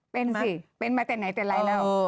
เป็นสิเป็นมาแต่ไหนแต่ไรแล้ว